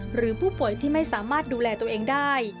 หรือผู้ป่วยที่ไม่สามารถดูแลตัวเองได้